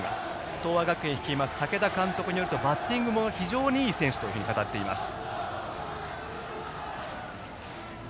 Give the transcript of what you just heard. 東亜学園率います武田監督によるとバッティングも非常にいい選手と語っています。